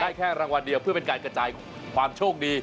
แค่รางวัลเดียวเพื่อเป็นการกระจายความโชคดี